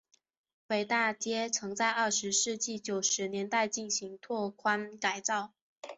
北大街曾在二十世纪九十年代进行了拓宽改造。